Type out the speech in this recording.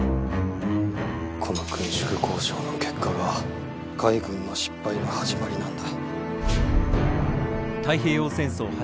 この軍縮交渉の結果が海軍の失敗の始まりなんだ。